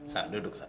sat duduk sat